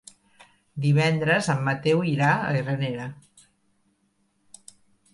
Divendres en Mateu irà a Granera.